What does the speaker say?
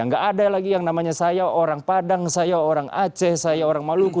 nggak ada lagi yang namanya saya orang padang saya orang aceh saya orang maluku